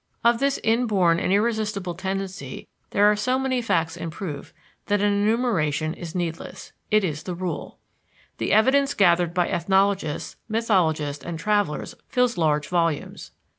Of this inborn and irresistible tendency there are so many facts in proof that an enumeration is needless: it is the rule. The evidence gathered by ethnologists, mythologists, and travelers fills large volumes.